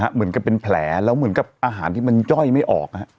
เหมือนกับเป็นแผลแล้วเหมือนกับอาหารที่มันย่อยไม่ออก